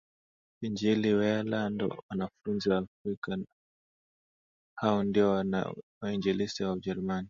Injili Waireland wanafunzi wa Waafrika hao ndio wainjilisti wa Ujerumani